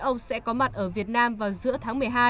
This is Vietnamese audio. ông sẽ có mặt ở việt nam vào giữa tháng một mươi hai